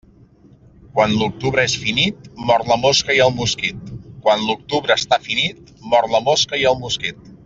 Quan l'octubre és finit, mor la mosca i el mosquit Quan l'octubre està finit, mor la mosca i el mosquit.